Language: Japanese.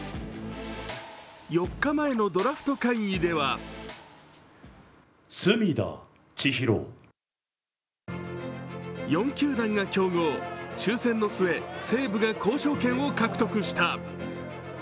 ４日前のドラフト会議では４球団が競合、抽選の末、西武が交渉権を獲得した。